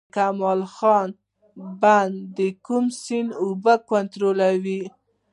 د کمال خان بند د کوم سیند اوبه کنټرولوي؟